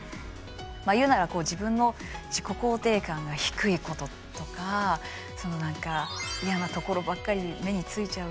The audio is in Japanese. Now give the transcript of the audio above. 言うなら自分の自己肯定感が低いこととか嫌なところばっかり目についちゃう